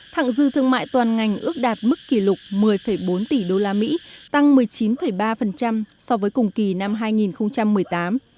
thẳng dư thương mại toàn ngành ước đạt mức kỷ lục một mươi bốn tỷ usd tăng một mươi chín ba so với cùng kỳ năm hai nghìn một mươi tám